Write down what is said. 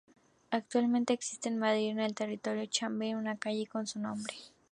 Actualmente existe en Madrid, en el distrito de Chamberí, una calle con su nombre.